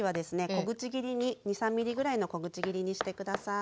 小口切りに２３ｍｍぐらいの小口切りにして下さい。